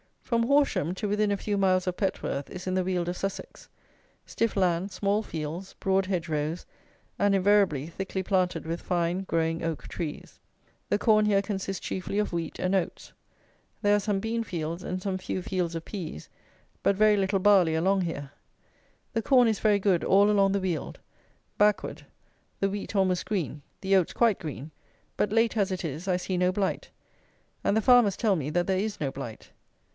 From Horsham to within a few miles of Petworth is in the Weald of Sussex; stiff land, small fields, broad hedge rows, and invariably thickly planted with fine, growing oak trees. The corn here consists chiefly of wheat and oats. There are some bean fields, and some few fields of peas; but very little barley along here. The corn is very good all along the Weald; backward; the wheat almost green; the oats quite green; but, late as it is, I see no blight; and the farmers tell me that there is no blight.